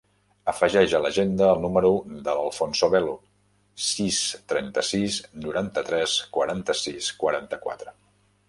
Afegeix a l'agenda el número de l'Alfonso Velo: sis, trenta-sis, noranta-tres, quaranta-sis, quaranta-quatre.